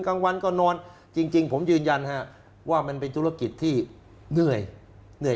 กลางวันก็นอนจริงผมยืนยันว่ามันเป็นธุรกิจที่เหนื่อยเหนื่อย